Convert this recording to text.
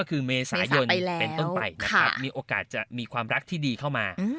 เป็นต้นไปนะครับมีโอกาสจะมีความรักที่ดีเข้ามา